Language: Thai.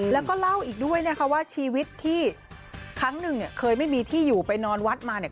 แล้วก็เล่าอีกด้วยนะคะว่าชีวิตที่ครั้งหนึ่งเนี่ยเคยไม่มีที่อยู่ไปนอนวัดมาเนี่ย